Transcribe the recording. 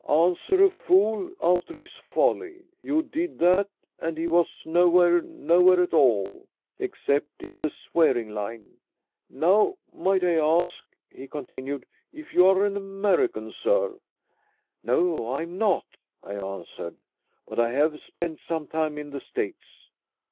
Answer a fool after his folly. You did that, and he was nowhere; nowhere at all, except in the swearing line. Now might I ask," he continued, "if you are an American, sir?" "No, I am not," I answered; "but I have spent some time in the States."